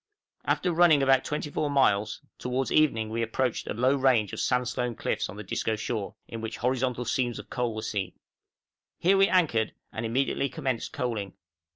After running about 24 miles, towards evening we approached a low range of sandstone cliffs on the Disco shore, in which horizontal seams of coal were seen. Here we anchored, and immediately commenced coaling.